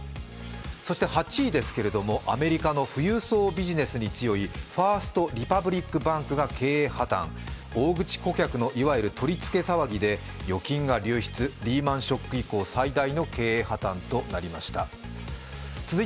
そして８位ですが、アメリカの富裕層ビジネスに強いファースト・リパブリック・バンクが経営破たん。大口顧客のいわゆる取り付け騒ぎで預金が流出、リーマン・ショック以降最大の経営破綻となりました。